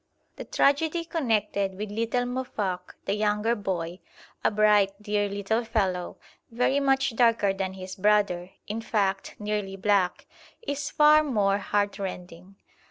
The tragedy connected with little Muoffok, the younger boy, a bright, dear little fellow, very much darker than his brother, in fact nearly black, is far more heartrending.